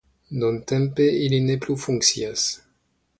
Nuntempe ili ne plu funkcias.